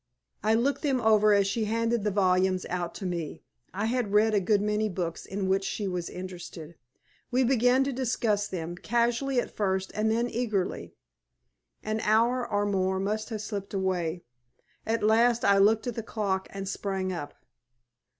I looked them over as she handed the volumes out to me. I had read a good many books in which she was interested. We began to discuss them, casually at first, and then eagerly. An hour or more must have slipped away. At last I looked at the clock and sprang up.